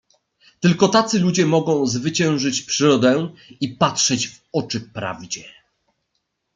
"Tylko tacy ludzie mogą zwyciężyć Przyrodę i patrzeć w oczy prawdzie."